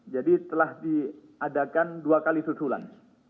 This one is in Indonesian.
jadi telah diadakan dua kali susulan